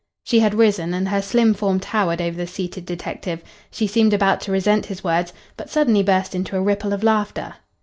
She had risen, and her slim form towered over the seated detective. She seemed about to resent his words, but suddenly burst into a ripple of laughter.